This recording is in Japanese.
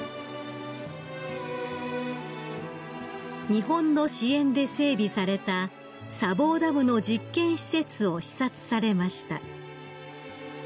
［日本の支援で整備された砂防ダムの実験施設を視察されました］